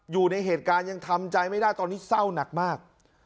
อยู่ในเหตุการณ์ยังทำใจไม่ได้ตอนนี้เศร้าหนักมาก